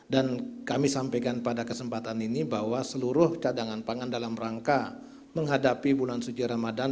dan kami sampaikan pada kesempatan ini bahwa seluruh cadangan pangan dalam rangka menghadapi bulan suci ramadhan